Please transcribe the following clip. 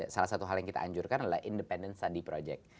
salah satu hal yang kita anjurkan adalah independent study project